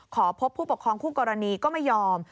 ขอพบผู้ปกครองคู่กรณีก็ไม่ยอม